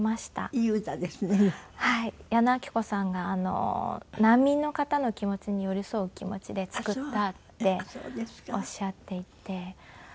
矢野顕子さんが「難民の方の気持ちに寄り添う気持ちで作った」っておっしゃっていて。